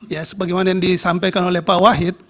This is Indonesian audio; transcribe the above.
ya sebagaimana yang disampaikan oleh pak wahid